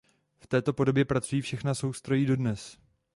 V této podobě pracují všechna soustrojí dodnes.